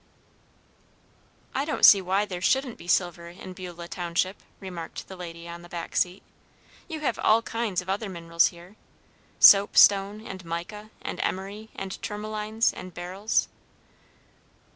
"I don't see why there shouldn't be silver in Beulah township," remarked the lady on the back seat. "You have all kinds of other minerals here, soapstone and mica and emery and tourmalines and beryls."